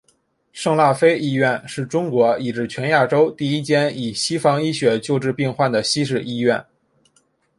圣辣非医院是中国以至全亚洲第一间以西方医学救治病患的西式医院。